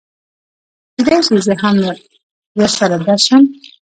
کېدی شي زه هم ورسره درشم